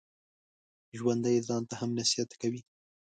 ژوندي ځان ته هم نصیحت کوي